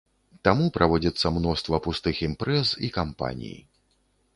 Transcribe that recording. Таму праводзіцца мноства пустых імпрэз і кампаній.